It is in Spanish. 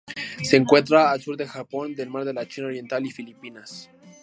Se encuentra al sur del Japón el Mar de la China Oriental y Filipinas.